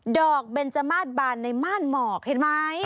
เบนจมาสบานในม่านหมอกเห็นไหม